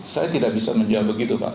saya tidak bisa menjawab begitu pak